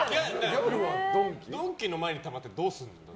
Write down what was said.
ドンキの前にたまってどうするの？